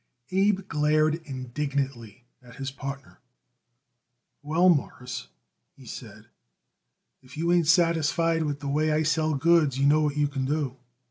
Abe glared indignantly at his partner. "Well, Mawruss," he said, "if you ain't satisfied with the way what I sell goods you know what you can do.